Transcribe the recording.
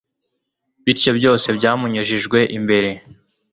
bityo byose byamunyujijwe imbere,